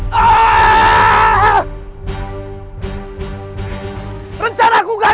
bukan tidak apa apa